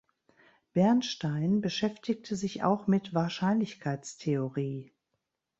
Bernstein beschäftigte sich auch mit Wahrscheinlichkeitstheorie.